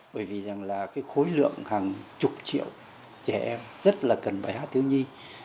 bởi vì rằng là cái khối lượng hàng chục triệu trẻ em rất là cần bài hát thiếu nhi